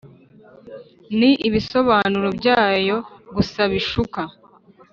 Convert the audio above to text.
ni ibisobanuro byayo gusa bishuka